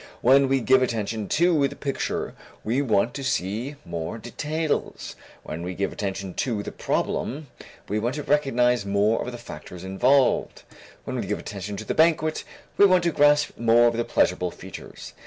When we give attention to the picture we want to see more details, when we give attention to the problem we want to recognize more of the factors involved, when we give attention to the banquet we want to grasp more of the pleasurable features.